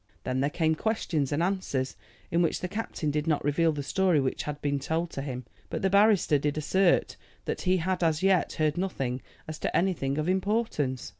Then there came questions and answers, in which the captain did not reveal the story which had been told to him, but the barrister did assert that he had as yet heard nothing as to anything of importance.